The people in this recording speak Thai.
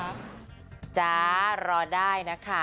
ลอดใช่รอได้นะคะ